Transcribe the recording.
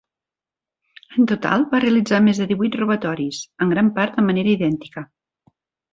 En total va realitzar més de divuit robatoris, en gran part de manera idèntica.